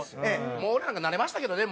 もう俺なんか慣れましたけどね